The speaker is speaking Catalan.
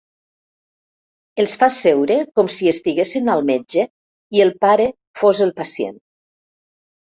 Els fa seure com si estiguessin al metge i el pare fos el pacient.